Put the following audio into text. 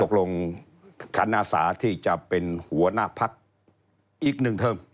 ตกลงคัณศาสตร์ที่จะเป็นหัวหน้าพักอีกหนึ่งเทิม